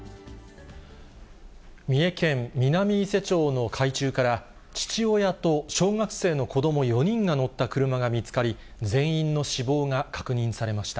三重県南伊勢町の海中から、父親と小学生の子ども４人が乗った車が見つかり、全員の死亡が確認されました。